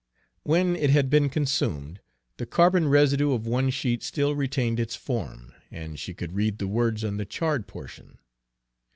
When it had been consumed, the carbon residue of one sheet still retained its form, and she could read the words on the charred portion.